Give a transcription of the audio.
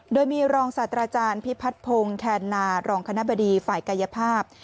โดยมีรองศาสตราจารย์พิพัฒนพงศ์แคนนารองคณะบดีฝ่ายกายภาพ